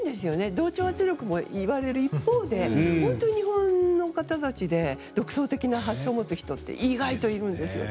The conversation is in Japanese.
同調圧力も言われる一方で本当に日本の方たちで独創的な発想を持つ人は意外といるんですよ。